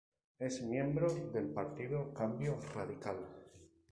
Es miembro del Partido Cambio Radical.